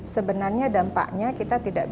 sebenarnya dampaknya kita tidak